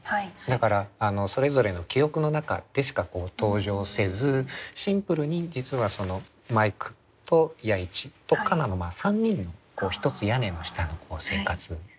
だからそれぞれの記憶の中でしか登場せずシンプルに実はマイクと弥一と夏菜の３人のひとつ屋根の下の生活ですね。